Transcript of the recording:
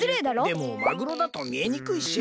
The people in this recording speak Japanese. でもマグロだとみえにくいし。